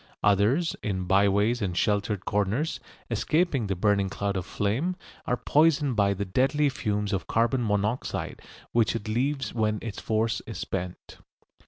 Others, in byways and sheltered corners, escaping the burning cloud of flame, are poisoned by the deadly fumes of carbon monoxide which it leaves when its force is spent.